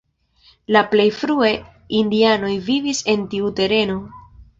La plej frue indianoj vivis en tiu tereno.